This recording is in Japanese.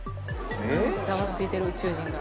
ざわついてる宇宙人が。